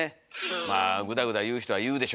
まあぐだぐだ言う人は言うでしょうからね。